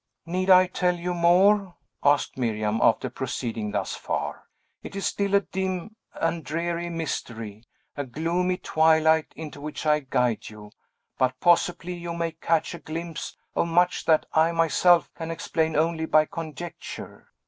"Need I tell you more?" asked Miriam, after proceeding thus far. "It is still a dim and dreary mystery, a gloomy twilight into which I guide you; but possibly you may catch a glimpse of much that I myself can explain only by conjecture.